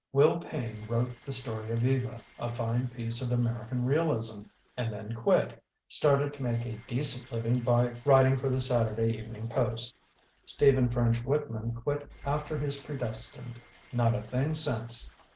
Will Payne wrote 'The Story of Eva', a fine piece of American realism, and then quit — started to make a decent living by DREISER— AFTER TWENTY YEARS 85 writing for The Saturday Evenin^r X Post*. Stephen French Whitman quit after his Tredestined\ Not a thing since.